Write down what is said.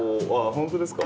本当ですか？